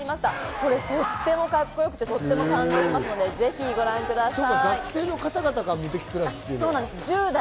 これ、とってもかっこよくて、感動しますのでぜひご覧ください。